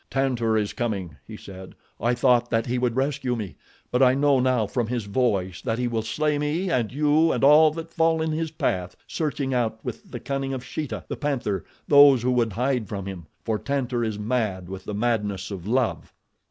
"Tantor is coming," he said. "I thought that he would rescue me; but I know now from his voice that he will slay me and you and all that fall in his path, searching out with the cunning of Sheeta, the panther, those who would hide from him, for Tantor is mad with the madness of love."